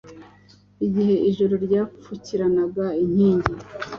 Igihe ijoro ryapfukiranaga inking